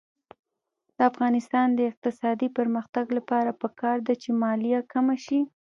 د افغانستان د اقتصادي پرمختګ لپاره پکار ده چې مالیه کمه شي.